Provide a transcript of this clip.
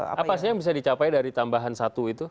apa sih yang bisa dicapai dari tambahan satu itu